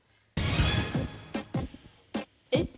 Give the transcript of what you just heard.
えっ？